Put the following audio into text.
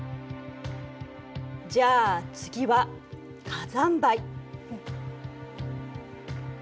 じゃあ次は火山灰。